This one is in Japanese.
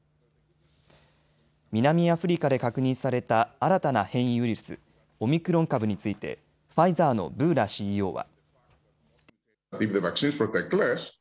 南アフリカで確認された新たな変異ウイルス、オミクロン株についてファイザーのブーラＣＥＯは。